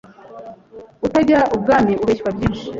utajya ibwami abeshywa byinshi